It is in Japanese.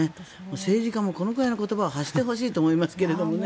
政治家もこのくらいの言葉を発してほしいと思いますけどね。